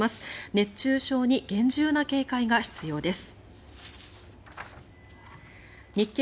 熱中症に厳重な警戒が必要です。